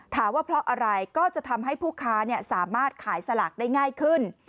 ว่าเพราะอะไรก็จะทำให้ผู้ค้าสามารถขายสลากได้ง่ายขึ้น